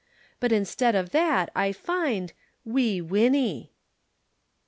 But instead of that I find Wee Winnie."